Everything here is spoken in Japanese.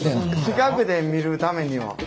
近くで見るためには。